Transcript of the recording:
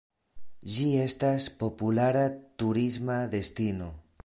Ĝi estas populara turisma destino.